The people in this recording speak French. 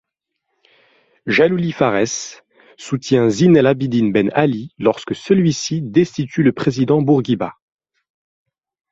Jallouli Farès soutient Zine el-Abidine Ben Ali lorsque celui-ci destitue le président Bourguiba.